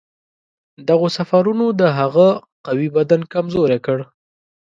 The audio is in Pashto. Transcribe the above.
دغو سفرونو د هغه قوي بدن کمزوری کړ.